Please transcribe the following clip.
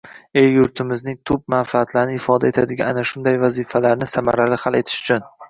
El-yurtimizning tub manfaatlarini ifoda etadigan ana shunday vazifalarni samarali hal etish uchun